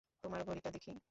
তোমার ঘড়িটা দেখি?